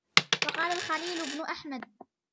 وَقَالَ الْخَلِيلُ بْنُ أَحْمَدَ